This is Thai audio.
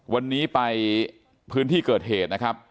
วันนี้ไปพื้นที่เกิดเหตุนะครับ